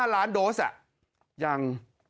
๑๕ล้านโดสอ่ะยัง